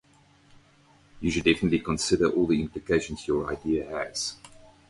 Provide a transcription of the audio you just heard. You should definitely consider all the implications your idea has.